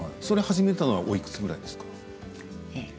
それ始めたのはおいくつぐらいですか？